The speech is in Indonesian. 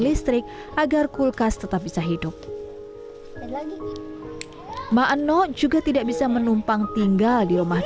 listrik agar kulkas tetap bisa hidup ma'an no juga tidak bisa menumpang tinggal di rumah